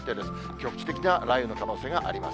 局地的な雷雨の可能性があります。